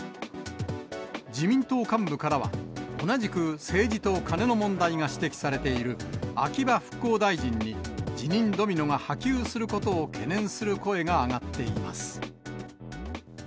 自民党幹部からは、同じく政治とカネの問題が指摘されている秋葉復興大臣に、辞任ドミノが波及することを懸念する声が上がっています。